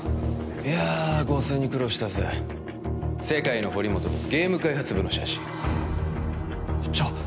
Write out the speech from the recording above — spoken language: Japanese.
いや合成に苦労したぜ世界の堀本とゲーム開発部の写真じゃあ